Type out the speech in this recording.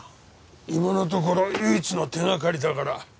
今のところ唯一の手掛かりだから。